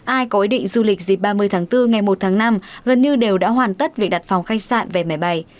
ai có ý định du lịch dịp ba mươi tháng bốn ngày một tháng năm gần như đều đã hoàn tất việc đặt phòng khách sạn về máy bay